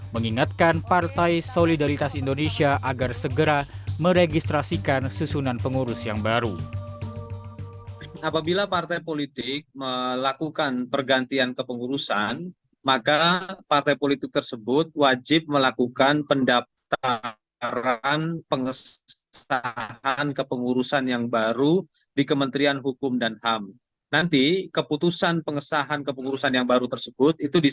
mengingatkan partai solidaritas indonesia agar segera meregistrasikan susunan pengurus yang baru